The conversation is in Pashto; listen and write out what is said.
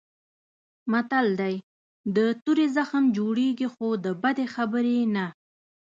متل دی: د تورې زخم جوړېږي خو د بدې خبرې نه.